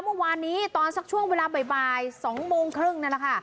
เมื่อวานนี้ตอนสักช่วงเวลาบ่าย๒โมงครึ่งนั่นแหละค่ะ